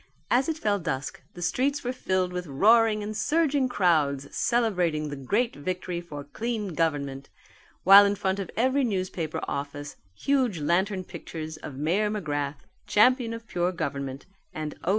As it fell dusk the streets were filled with roaring and surging crowds celebrating the great victory for clean government, while in front of every newspaper office huge lantern pictures of Mayor McGrath the Champion of Pure Government, and _O.